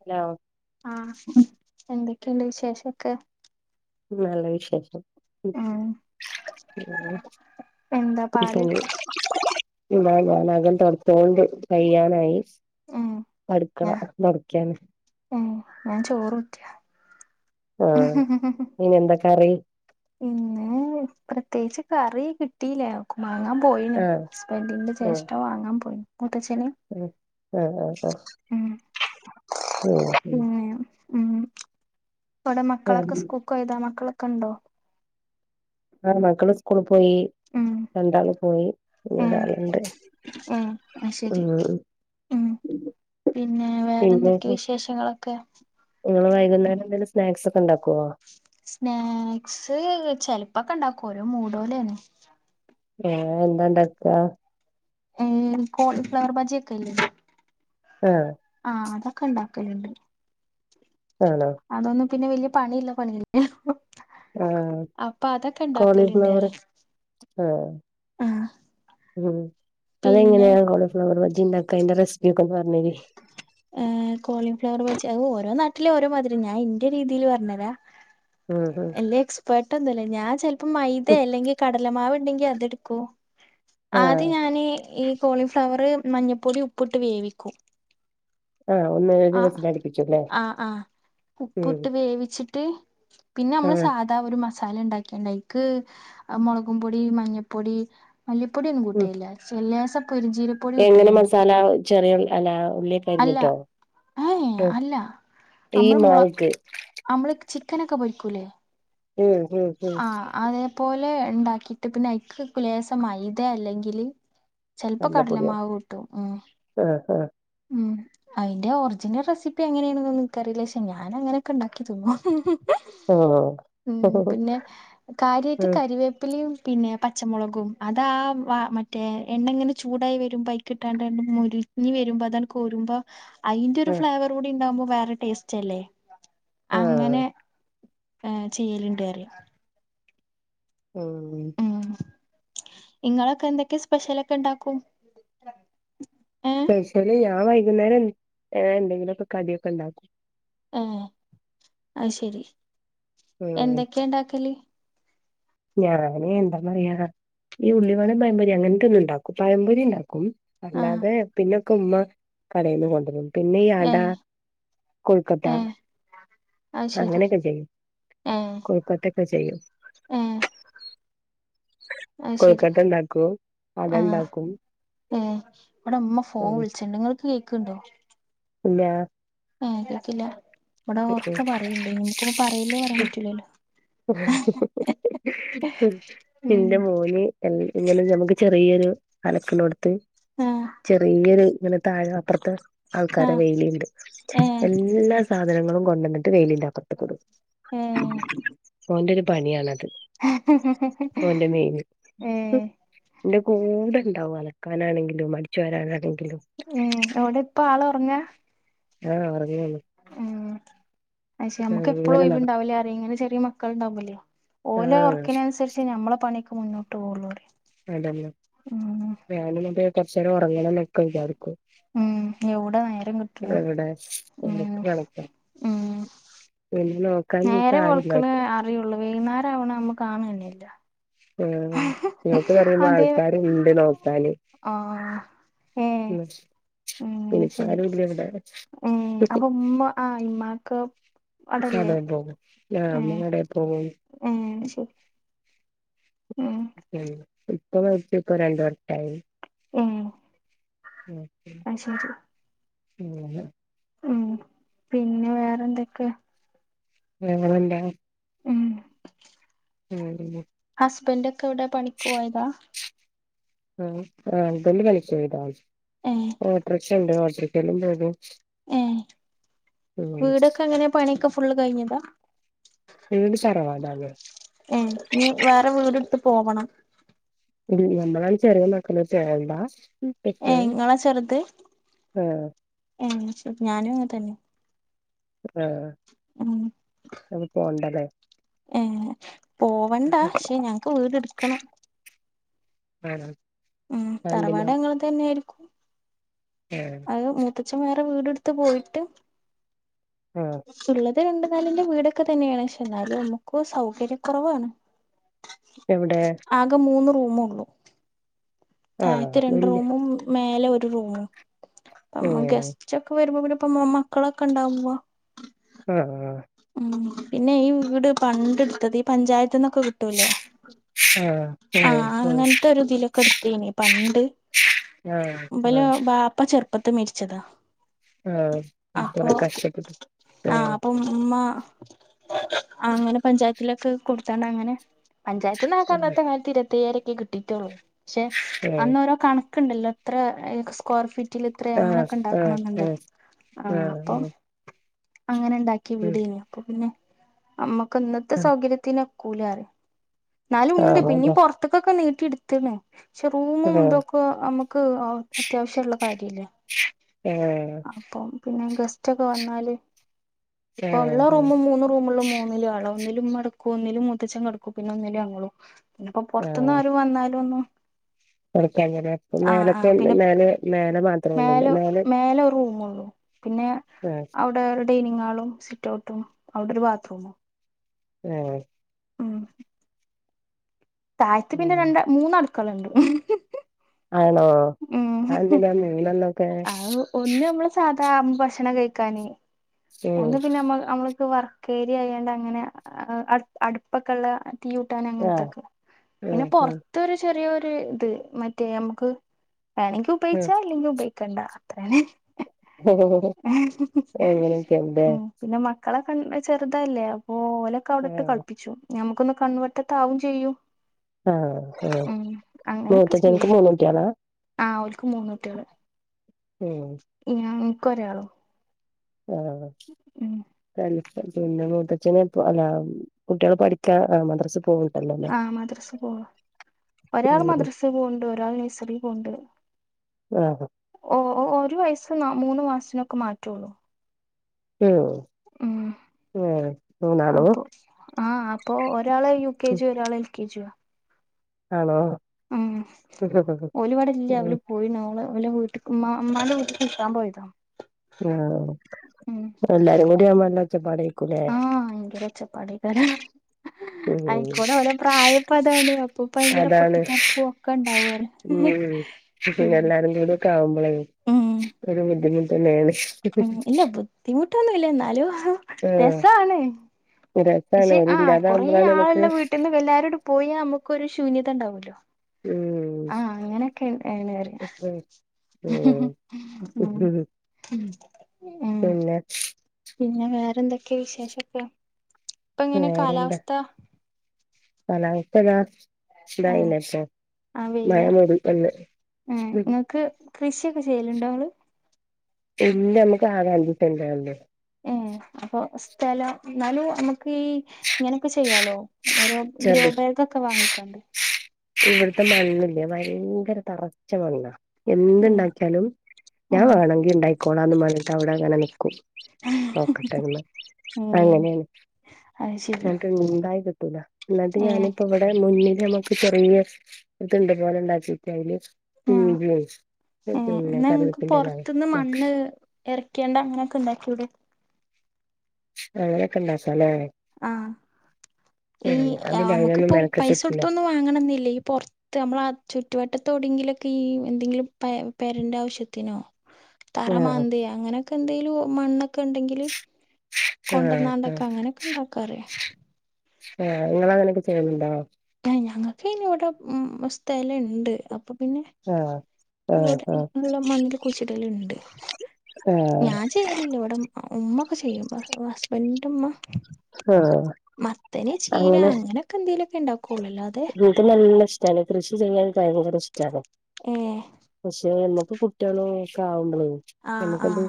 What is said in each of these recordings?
Hello ആഹ് എന്തൊക്കെയുണ്ട് വിശേഷൊക്കെ നല്ല വിശേഷം ഉം ഉം എന്താ പാട് പിന്നെ [unintelligible] എന്നാ ഞാൻ അകം തൊടച്ചോണ്ട് കയ്യാനായി ഉം അടുക്കള ഞാ തൊടക്കാന് ഉം ഞാൻ ചോറ് ഊറ്റൂവാ ആഹ് ഇനി എന്താ കറി ഇന്ന് പ്രത്യേകിച്ച് കറി കിട്ടി കിട്ടീല വാങ്ങാൻ പോയി ആഹ് ഹസ്ബൻഡിന്റെ ആഹ് ജേഷഠ വാങ്ങാൻ പോയി മുത്തച്ഛനെ ആഹ് ആഹ് ആഹ് ആഹ് ഉം പിന്നെ ഉം ഇവിടെ ആഹ് മക്കളൊക്കെ സ്കൂക്ക് പോയതാ മക്കളൊക്കെ ഉണ്ടോ ആഹ് മക്കള് സ്കൂള് പോയി ഏഹ് രണ്ടാള് പോയി ഏഹ് പിന്നൊരാളിണ്ട് അത് ശരി ഉം ഉം പിന്നെ പിന്നെ വേറെന്തൊക്കെ വിശേഷങ്ങളൊക്കെ നിങ്ങള് വൈകുന്നേരം എന്തേലും സ്നാക്സ് ഒക്കെ ഉണ്ടാക്കുവോ സ്നാക്സ് ചെലപ്പക്കെ ഇണ്ടാക്കും ഓരോ മൂടോലന്നെ ഏഹ് എന്താണ്ടാക്ക ഏഹ് കോളിഫ്ലവർ ബജിയൊക്കെ ഇല്ലേ ആഹ് ആഹ് അതൊക്കെ ഇണ്ടാക്കലുണ്ട് ആണോ അതൊന്നും പിന്നെ വലിയ പണി ഇല്ല പണിയല്ലേ ആഹ് അപ്പൊ അതൊക്കെ ഉണ്ടാക്കലുണ്ട് കോളിഫ്ലവർ ആഹ് ആഹ് ഉം പിന്നെ അതെങ്ങനെയാ കോളിഫ്ലവർ ബജി ഇണ്ടാനക്ക അയിൻ്റെ റെസിപ്പി ഒക്കെന്ന് പറഞ്ഞരി കോളിഫ്ലവർ ബജി അത് ഓരോ നാട്ടില് ഓരോ മാതിരി ഞാ ഇന്റെ രീതിയില് പറഞ്ഞരാം ഉം ഉം എല്ലേക്സ് പെട്ടന്നല്ലെ ഞാൻ ചെലപ്പം മൈതേ അല്ലെങ്കി കടലമാവ്ണ്ടെങ്കി അതെട്ക്കും ആദ്യം ആഹ് ഞാനി ഈ ഈ കോളിഫ്ലവർ മഞ്ഞപ്പൊടിയും ഉപ്പുട്ട് വേവിക്കും ആഹ് ഒന്ന് ഒരു ആഹ് വിസിലടിപ്പിച്ചുല്ലേ ആഹ് ആഹ് ഉം ഉപ്പിട്ട് വേവിച്ചിട്ട് പിന്നെ അമ്മള് ആഹ് സാ ധാ ഒരു മസാലണ്ടാക്കിയാണ്ട് അയിക്ക് മൊളകും പൊടി മഞ്ഞപ്പൊടി മല്ലിപ്പൊടി ഒന്നും ഉം കൂട്ടല്ല്ല ചെലേസ പെരിഞ്ചീര എങ്ങനെ മസാല ചെറിയ ഉ അല്ല അല്ല ഉള്ളിലേക്കരിഞ്ഞിട്ടോ ഏഹ് അല്ല ഈ മാവിക്ക് അമ്മള് ചിക്കനൊക്കെ പൊരിക്കൂ ലേ ഉം ഉം ഉം ആഹ് അതേപോലെണ്ടാക്കിട്ട് പിന്നെ അഴിക്ക് ലേസം മൈതേ അല്ലെങ്കില് ചെലപ്പം കടലപ്പൊടിയോ കടലമാവ് കൂട്ടും ഉം ആഹ് ആഹ് ഉം അയിന്റെ ഒറിജിനൽ റെസിപ്പി എങ്ങനെയേണ് നൊന്നും ഇൻക്കറിയില ശേ ഞാന അങ്ങനെ ക്കെണ്ടാക്കിത്ത്ന്നും ഓ ഓ ങ്ങനെ കാര്യായിട്ട് ക രിവേപ്പിലിയും പിന്നെ പച്ച മൊളകും അതാ വാ മറ്റേ എണ്ണങ്ങനെ ചൂടായി വെരുമ്പൊ അയിക്ക് കിട്ടാണ്ടണ്ട് മൊരിഞ്ഞ് വെരുമ്പ അതാണ്ട് കോരുമ്പോ അയിന്റൊരു ആഹ് ഫ്ലേവർ കൂടിണ്ടകുമ്പം വേറെ ടേസ്റ്റ് അല്ലേ ആഹ് അങ്ങനെ ആഹ് ചെയ്യല്ണ്ട് പറീം ആഹ് ഉം ഇങ്ങളൊക്കെ എന്തൊക്കെ സ്പെഷ്യലൊക്കെണ്ടാക്കും പെഷല് ഞാൻ വൈകുന്നേരം എന്തെങ്കിലും ഒക്കെ കടിയൊക്കെണ്ടാക്കും ഹേ അത് ശെരി ഉം എന്തൊക്കെണ്ടാക്കല് ഞാൻ എന്താ പറയാ ഈ ഉള്ളിവടേ പയംപൊരി അങ്ങനത്തെ ഒന്നും ഇണ്ടാക്കും പയംപൊരിണ്ടാക്കും ആ അല്ലാതെ പിന്നൊക്കുമ്മ കടേന്ന് കൊണ്ടരും പിന്നെ ഈ ഏ അട കൊഴുക്കട്ട ഏ അത് ശരി അങ്ങനെക്ക ചെയ്യും ഏ കൊഴകട്ടെക്കെ ചെയ്യും ഏ അത് ശരി കൊയ്ക്കട്ടണ്ടാക്കും അടണ്ടാക്കും ബടെ മ്മ ഫോൺ വ്ൾച്ച്ണ്ട് ഇങ്ങൾക്ക് കേക്ക്ണ്ടോ ഇല്ലാ ആഹ് കേക്ക്ല്ല വെട ഓറക്ക പറയ്ണ്ടേ ഇൻക്ക്പ്പം പറയല്ലേ പറയാൻ പറ്റൂലല്ലോ ഇന്റെ മോന് ഇങ്ങനെ അമ്മക്ക് ചെറിയൊരു അലക്ക്ന്നോട്ത്ത് ആഹ് ചെറിയൊര് ഇങ്ങനെ താഴെ അപറത്ത് ആൾക്കാരെ ആഹ് വെയിലിണ്ട് ഏഹ് എല്ലാ സാധനങ്ങളും കൊണ്ടന്ന്ട്ട് വെയിലിന്റാത്ത് ഏ ഓന്റെ ഒര് പണിയാണത് ഓന്റെ മെയിന് ഉം ഏഹ് ന്റെ കൂടെണ്ടാവും അലക്കാനാണെങ്കിലും അടിച്ചു വരാനാണെങ്കിലും ഉം എവ്ടെ ഇപ്പ ആള് ഒറങ്ങാ ആഹ് ഒറങ്ങാണ് ഉം അക്ഷെ നമ്മക്ക് എപ്പളും അങ്ങനെ നടക്കും ഒയിവ്ണ്ടാവൂല അറയും ഇങ്ങനെ ചെറിയ മക്കൾ ണ്ടാവുമ്പല്ലേ ഓലെ ആഹ് ഒറക്കിന് അന്സരിച്ചേ ഞമ്മളെ പണി ഒക്ക മുന്നോട്ട് പോവുള്ളൂ അറയ അതെന്നെ ഞാനിനിപ്പേ കൊറച്ചേരം ഒറങ്ങണം ന്നൊക്കെ വിചാർക്കും ഉം എവ്ടെ നേരം കിട്ട്ണ് ഇവിടെ ഉം ഉം വെന്നോ നേരം വെള്ക്ക്ണ അറിയോള്ളൂ വൈന്നേരം ആവണേ അമ്മക്ക് കാണെന്നെല്ല ആഹ് ഇങ്ങക്ക് പറയുമ്പോ അതെ ആൾക്കാര്ണ്ട് നോക്കാന് ആഹ് ഏഹ് മ്മച്ച് ഉം പിന്നെ ശരി ച്ചാരുല്ല ഇവിടെ ഉം അപ്പൊ ഉമ്മ ആ ഇമ്മാക്ക് അടല്ലേ കടെ പോകും ഏ രാവിലെ കടെ പോകും ഉം ശെരി ഉം ഇപ്പ മരിച്ച് ഇപ്പ രണ്ടു വർഷായി ഏഹ് ഉം അയ്ശെരി പിന്നല്ല ഉം പിന്നെ വേറെന്തൊക്കെ ഞങ്ങളല്ല ഉം ഉം ഉം ഹസ്ബന്റൊക്കെ എവിടെ? പണിക്ക് പോയതാ. ആഹ്. ആഹ് ഹസ്ബൻഡ് പണിക്കോയതാ ഏഹ് ഓട്ടർക്ഷ ണ്ട്. ഓട്ടർഷേലും പോകും ഏഹ്. ഉം വീടൊക്ക എങ്ങനെ പണിയൊക്കെ ഫുള്ള് കഴിഞ്ഞതാ? വീട് തറവാടാണ് ഏഹ് ഇഞ് വേറെ വീട്‌ട്ത്ത് പോവണം. ൽ ഞമ്മളാണ് ചെറിയ മക്കള് [unintelligible] ഏഹ് ഇങ്ങളാ ചെറുത് ആഹ് ഏഹ് ശരി. ഞാനും അങ്ങൻതന്നെ ആഹ് അത് പോണ്ട ലേ ഏഹ് പോവണ്ട. ശ്ശെ ഞങ്ങക്ക് വീട് ഇട്ക്കണം ആണോ? ഉം അതെന്തിനാ തറവാട് ഞങ്ങൾതന്നേര്ക്കും. ആഹ്. അത് മൂത്തച്ഛൻ വേറെ വീട് ഇട്ത്ത് പോയിട്ട് ആഹ് ഇള്ളത് രണ്ട് നെലെന്റെ വീടൊക്കെ തന്നെയാണ്. പക്ഷെ എന്നാലും നമുക്ക് സൗകര്യ ക്കൊറവാണ് എവിടെ ആക മൂന്ന് റൂമൊള്ളൂ. ആഹ് താഴത്ത് രണ്ട് വല്യ റൂമും മേലെ ഒരു റൂമും അപ്പ മ്മ ആഹ് ഗസ് റ്റൊക്കെ വരുമ്പോ പിന്ന ഇപ്പ മക്കളൊക്കെ ഇണ്ടാവുമ്പോ ആഹ് ആഹ് ഉം പിന്നെ ഈ വീട് പണ്ട് ഇട്ത്തത്. ഈ പഞ്ചായത്ത്ന്നൊക്കെ കിട്ടൊല്ലോ ആഹ് ആഹ് അങ്ങനത്തെ ഒരു ഇതിലൊക്കെ ഇട്ത്തീനി പണ്ട്. ആഹ് ആഹ് ഇബല ആഹ് ബാ പ്പ ചെറുപ്പത്ത് മരിച്ചതാ. ആഹ് അപ്പൊ കൊറെ കഷ്ടപ്പെട്ട് ആഹ് അപ്പം മ്മ അങ്ങനെ പഞ്ചായത്തിലൊക്കെ കൊടുത്താണ്ട് അങ്ങനെ പഞ്ചായത്ത് ന്നാകെ ആഹ് അന്നത്തെ കാലത്ത് ഇരുപത്തയ്യായിരൊക്കെ കിട്ടീട്ടുള്ളൂ ശ്ശെ അന്നോരോ കണ ക്ക്ണ്ടല്ലോ ഇത്ര സ്ക്വയർ ഫീ റ്റ്ല് ഇത്രെ ആഹ് അങ്ങനൊക്കെ ആഹ് ഇണ്ടാക്കണംന്ന്ണ്ട്. ആഹ് ആഹ് അപ്പം അങ്ങനെ ഇണ്ടാക്കിയ ഉം വീടേനി. അപ്പ പിന്നെ അമ്മ ക്ക്ന്നത്തെ ആഹ് സൗകര്യത്തിന് ഒക്കൂലാ പറയ. ഇന്നാലൂണ്ട് പൊർത്ത്ക്കൊക്കെ നീട്ടി ഇട്ത്ത്ണ്. ശ്ശെ റൂമും ആഹ് ഇതൊ പ്പൊ അമ്മക്ക് ഒ അത്യാവശ്യള്ള കാര്യല്ലേ ഏഹ് അപ്പം പിന്നെ ഗസ്റ്റ് ഒക്കെ വന്നാല് ആഹ് ഇപ്പൊ ഉള്ള ആഹ് ആഹ് റൂമ് മൂന്നും റൂമില് മൂന്നിലും ആളാ ഒന്നില് ഉമ്മ കടക്കും ഒന്നില് മൂത്തച്ചൻ കടക്കും പിന്നെ ഒന്നില് ഞങ്ങളും ഇനിപ്പൊ പൊർത്ത്ന്ന് ആര് വന്നാലു ഒന്നും കട്ക്കാന് ലേ. അപ്പ മേലത്തെ മേലെ മേല മാ മേലോ മേലെ ഒരു റൂമോള്ളൂ പിന്നെ ആ അവി ടെ ഒരു ഡൈനിങ് ഹാളും സിറ്റ് ഔട്ടും ഔടെ ഒരു ബാത്റൂമും. ഏഹ് ഉം താഴത്ത് പിന്നെ ഉം രണ്ട മൂന്ന് അടുക്കള ണ്ട് ആണോ അഎന്തിനാ മൂന്നെ ന്നൊക്കെ അത് ഒന്ന് നമ്മള് സാധാ ഭക്ഷണം കഴിക്കാന് ഉം ഒന്ന് പിന്നെ നമ്മ നമ്മൾക്ക് വർക്കരിയആയാണ്ട് അങ്ങനെ അടുപ്പൊക്കെ ഉള്ള തീ യൂട്ടാൻ ആ അങ്ങനത്തൊക്കെ ഉം പിന്നെ പോറ് ഉം ത്ത് ഒരു ചെറിയൊരു ഇത് മറ്റേ നമുക്ക് വേണങ്കി ഉം ഉപയോഗിച്ചാ അല്ലെങ്കിൽ ഉപയോഗിക്കണ്ട [unintelligible] അങ്ങനെയൊക്കെണ് ല്ലേ ഉം പിന്നെ മക്കളെ ചെറുതല്ലേ അപ്പോ ഓലൊക്കെ ആ അവിടെ ഇട്ട് കളിപ്പിച്ചു ഞമ്മുക്കൊന്ന് കൺവെട്ടത്താവും ചെയ്യും. ആഹ് ആഹ് ഉം അങ്ങനൊക്കെ മൂത്തച്ഛൻക്ക് ചെയ്യല്ണ്ട് മൂന്നൂട്ടിയളാ? ആഹ് ഓൽക്ക് മൂന്നൂട്ടിയള് ഉം ഇൻക്കോരാളും ഹം പിന്നെ മൂത്തച്ചിയൾ അല്ല കുട്ടികൾ പഠിക്കാ ആഹ് മദ്രാസി പോക ആഹ് മദ്രസ് പോവാ ഒരാൾ ഉം മദ്രസ് പോവ്ണ്ട് ഒരാൾ നഴ്സറി പോവ്ണ്ട്. ആഹ് ഓഹ് ഓ ഒരു വയസ്സ് മൂന്ന് മാസത്തിനൊക്കെ മാറ്റുള്ളൂ ഉം ഉം മൂനാളും അപ്പൊ ആഹ് അപ്പൊ ഒരാള് യു കെ ജി ഒരാള് എൽ കെ ജി ആ ആണോ ഉം ഉം ഓല് വടല്യ ഓല് പോയീണ് ഓളെ അവലെ വീട്ടുക്ക് മ്മ മ്മാന്റെ വീട്ടക്ക് നിക്കാൻ പോയതാ ആഹ് ഉം എല്ലാരും കൂടിആവുമ്പോ ന ല്ലഒച്ചപ്പാടെ ആഹ് ഭയങ്കര ഒച്ചപ്പാടൈക്കാരം ഉം ആയിക്കൂടെ ഓല പ്രായപ്പോ അതാണ് അപ്പൊ ഭയങ്കര അതാണ് പൊട്ടിതേർപോ ഒക്കെ ണ്ടാവും ഉം എല്ലാരും കൂടി ഒക്ക ആവുമ്പളേ ഉം ഒരു ബുദ്ധിമുട്ടന്നെണ് ഉം ഇല്ല ബുദ്ധിമുട്ടൊന്നുംല്ല ന്നാലും ആഹ് രസാണ് രസാണ് പക്ഷെ ആ കൊറെേ ഓരില്ലാതാവുമ്പളാണ് നമുക്ക് ആളുള്ള വീട്ട്ന്ന് എല്ലാരുടെ പോയ നമുക്കൊരു ശൂന്യത ഉണ്ടാവല്ലോ ഉം ആഹ് അങ്ങനെയൊക്കെ ഏണ്റിയ ഉം ഉം ഉം പിന്നെ പിന്നെ വേറെന്തൊക്കെയ വിശേഷൊക്കെ ഇപ്പ എങ്ങനെ വേറെന്താ കാലാവസ്ഥ കാലാവസ്ഥ താ ആഹ് [unintelligible] പോ ആഹ് മഴ വെയിലാ മുടി ഏഹ് ഇങ്ങക്ക് കൃഷിയൊക്കെ ചെയ്യലുണ്ടോ നിങ്ങള് ഇല്ല അമ്മക്ക് ആകെ അഞ്ച് സെൻ്റള്ളൂ ഏഹ് അപ്പൊ സ്ഥലം ന്നാലും നമ്മുക്ക് ഈ ഇങ്ങനെക്കെ ചെയ്യാലോ ഓരോ ചെർത് ഗ്രോബാഗ്ഒക്കെ വാങ്ങിക്കാണ്ട് ഇവിടുത്തെ മണ്ണില്ലേ ഭയങ്കര തറച്ച മണ്ണാ എന്തു ഉം ണ്ടാക്കിയാലും ഞാൻ ഉം വേണമെങ്കി ഉണ്ടായിക്കോളാംന്ന് പറഞ്ഞിട്ട് അവിടെ അങ്ങനെ നിക്കും നോക്കട്ടെന്ന് ഉം അങ്ങനെണ് അത് ശരി ന്നട്ട് ഉണ്ടായി കിട്ടൂല്ല ന്നട്ട് ഏ ഞാനിപ്പോ ഇവിടെ മുന്നില് നമ്മക്ക് ചെറിയ ഇത്ണ്ട്പോലെ ഉണ്ടാക്കീട്ട് അതില് ആ ഏ ഹ്മ് ഹ് എന്നാ പിന്നെ കറവേപ്പിന്റെല എറക്കേണ്ട അങ്ങനെക്കെ ണ്ടാക്കൂടെ അങ്ങനെക്കെ ഇണ്ടാക്കാലേ ആ ഈ അതിന് അതിനൊന്നും അമ്ക്ക്പ്പോ മെനക്കെട്ടിട്ടില്ല പൈസൊടുത്തൊന്നും വാങ്ങണന്നില്ല ഈ പൊ ത്ത് മ്മളാ ചുറ്റുവട്ടത്തോടെങ്കിലൊക്കി ഈ എന്തെങ്കിലും പെ പെരന്റെ ആവശ്യത്തിനോ തറ ആഹ് മാന്തിയ അങ്ങനെയൊക്കെ എന്തെലും മണ്ണൊക്കെ ഇണ്ടെങ്കില് ആഹ് കൊണ്ടന്നാണ്ടൊക്കെ അങ്ങനെക്കെ ണ്ടാക്കാറിയ ആ ങ്ങള് അങ്ങനെയൊക്കെ ചെയ്യല്ണ്ടോ ഏയ് ഞങ്ങക്കൈന് വിടെ മ് സ്ഥലണ്ട് അപ്പൊ പിന്നെ ആഹ് ആഹ് ആഹ് ഇവിടുള്ള മണ്ണില് കുയ്ച്ചിടല്ണ്ട് ആഹ് ഞാൻ ചെയ്യലില്ല ഇവിടെ ഉമ്മ ഒക്കെ ചെയ്യും ഹസ്ബന്റിന്റെമ്മ ആഹ് മത്തന് ചീര അങ്ങനൊക്കെ എന്തേലൊക്കെ ണ്ടാക്കൊള്ളൂ അല്ലാതെ ഇൻക്ക് നല്ല ഇഷ്ട്ടാണ് കൃഷി ചെയ്യാൻ ൻക്ക് ഭയങ്കര ഇഷ്ട്ടാണ് ഏ പക്ഷെ മ്മക്ക് കുട്ടിയോളും ഒക്കെ ആവുമ്പളയ് ആഹ് നമുക്കെന്ത്‌ ആഹ്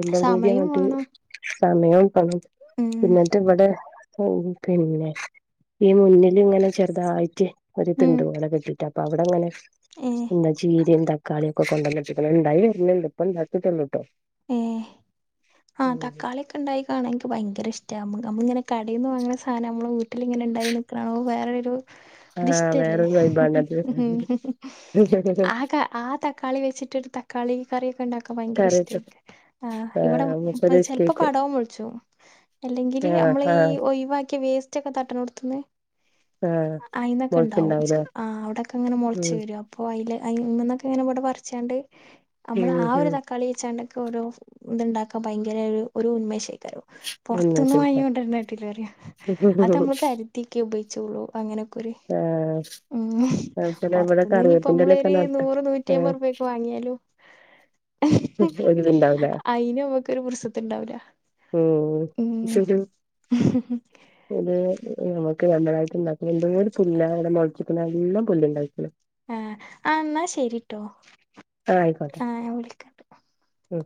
എല്ലാം കൂടി സമയം അങ്ങട്ട് വേണം സമയും പണും ഉം ന്നിട്ട് വിടെ ഉം പിന്നെ ഈ മുന്നില് ങ്ങനെ ചെറുതായ്റ്റ് ഉം ഒരിത്ണ്ട് വല കെട്ടി റ്റപ്പൊ അവിടങ്ങനെ ഏ [unintelligible] ചീരേം തക്കാളിയൊക്കെ കൊണ്ടന്ന്ട്ട്ക്ക്ണ് ണ്ടായി വര്ന്ണ്ട് ഇപ്പണ്ടാക്കിട്ടൊള്ളൂട്ടോ ട്ടോ ഏ ആ തക്കാളി ക്കെണ്ടായിക്കാണൻ ഇൻക്ക് ഭയങ്കര ഇഷ്ട്ടാ നമ്മളിങ്ങനെ കടെന്ന് വാങ്ങ്ണ സാനം നമ്മളെ വീട്ടിലിങ്ങനെ ണ്ടായി നിക്ക്ണ കാണുമ്പോ വേറൊരു ആഹ് അതിഷ്ടല്ലേ? വേറൊരു വൈബാണത് ആ ക ആ തക്കളി വെച്ചിട്ടൊരു തക്കാളി കറിയൊക്കെ ഉണ്ടാക്കാൻ ഭയങ്കര കറിവെച്ച ഇഷ്ടായി ആഹ് ഇവടം പ് മൂപ്പര് ചെല്പ്ം ഇഷ്ടായിക്ക് പടവും ഒളിച്ചോം. അല്ലെങ്കില് ആഹ് നമ്മളീ ആഹ് ഒഴിവാക്കിയ വേസ് റ്റൊക്കെ തട്ട്ണോട്ത്ത്ന്ന് ആഹ് അയിന്നൊക്കെ ഇണ്ടാവും ച്ച് മുളച്ചുണ്ടാവൂലേ ആഹ് അവടക്കെ ങ്ങനെ ഉം മൊളച്ചു വരും അ അപ്പൊ അതില് ഇന്നൊക്കെ ഇങ്ങനെ ഇവിടെ പറിച്ചോണ്ട് നമ്മള് ഉം ആ ഒരു ഉം തക്കാളി വെച്ചാണ്ട് ഓരോ ഇത്ണ്ടാക്കാൻ ഭയങ്കര ഒരു ഒരു ഉന്മേഷായി. എന്നാ പൊറത്ത്ന്ന് ചോദിക്കാം വാങ്ങിക്കൊണ്ടര്ണേട്ട്ലറ്യ അത് നമ്മള് കര് ത്തിക്കി ഉപയോഗിച്ചുള്ളൂ പ്പ അങ്ങനെ ഏഹ് അത് ശരി ഇവടെ പൊറത്തുന്ന് ഇനിയിപ്പോ കറിവേപ്പിൻ്റലക്കെ നമ്മളൊരു നട്ട് നൂറ് നൂറ്റി ഏഹ് അമ്പത് റുപ്യക്ക് വാങ്ങിയാലും [unintelligible] അയിന് ഓക്കൊരു പുറുസത്ത്ണ്ടാവുല. ഉം ഉം ഇത് നമുക്ക് രണ്ടടായിട്ട് ഇണ്ടാക്കി വരുമ്പയ് പുല്ലായെടന്നാൾ ചിക്കുന്ന നല്ലം പുല്ലുണ്ടായിക്ക്ണ് ആഹ് എന്നാ ശരിട്ടോ ആഹ് ഞാൻ വിളിക്കാം ഉം